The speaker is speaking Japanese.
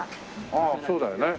ああそうだよね。